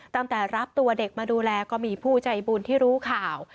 ตั้งแต่รับตัวเด็กมาดูแลก็มีผู้ใจบุญที่รู้ข่าว